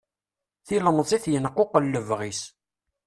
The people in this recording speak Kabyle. Tilemẓit yenquqel lebɣi-s.